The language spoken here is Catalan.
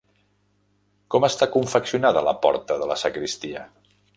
Com està confeccionada la porta de la sagristia?